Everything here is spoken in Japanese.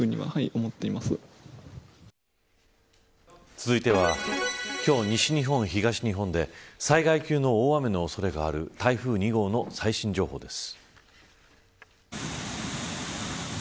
続いては今日、西日本、東日本で災害級の大雨の恐れがある台風２号の最新情報です。